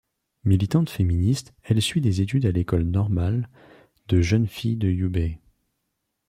Militante féministe, elle suit des études à l’École normale de jeunes filles du Hubei.